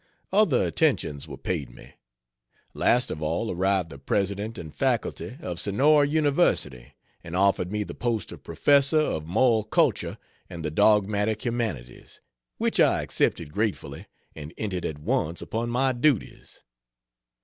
Other attentions were paid me. Last of all arrived the president and faculty of Sonora University and offered me the post of Professor of Moral Culture and the Dogmatic Humanities; which I accepted gratefully, and entered at once upon my duties.